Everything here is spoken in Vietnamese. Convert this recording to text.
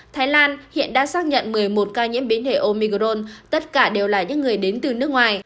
thái lan hiện đã xác nhận một mươi một ca nhiễm biến thể omi gron tất cả đều là những người đến từ nước ngoài